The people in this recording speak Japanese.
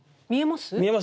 見えます？